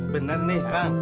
bener nih bang